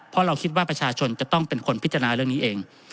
เพราะเราคิดว่าประชาชนจะต้องเป็นคนพิจารณาเรื่องนี้เอง